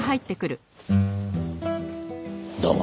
どうも。